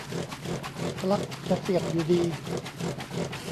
ปลั๊กจะเสียบอยู่ดี